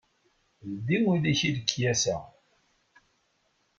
Ldi ul-ik i lekyasa.